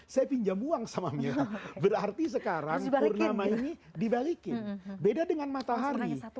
saya pinjam uang sama mila berarti sekarang purnama ini dibalikin beda dengan matahari